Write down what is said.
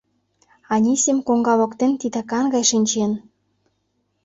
Анисим коҥга воктен титакан гай шинчен.